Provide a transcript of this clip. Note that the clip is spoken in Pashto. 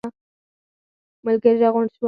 ملګري راغونډ شول.